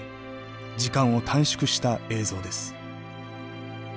時間を短縮した映像です。